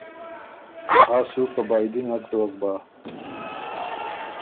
آ سو په بائدی نک دوک بَۀ۔